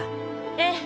ええ。